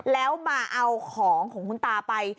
แล้วมาเอาของของคุณตาไป